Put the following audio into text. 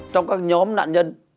trong các nhóm nạn nhân